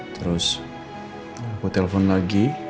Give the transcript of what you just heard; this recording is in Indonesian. terus aku telpon lagi